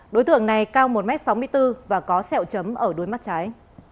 đối tượng này cao một m sáu mươi bốn và có xẹo chấm ở đuôi mắt trái